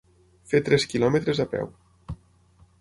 Fer tres quilòmetres a peu.